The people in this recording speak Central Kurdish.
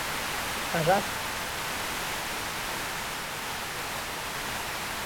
ئاژانسی ناسا و کۆمپانیای سپەیس ئێکس سەرپەرشتی گەشتەکە دەکەن.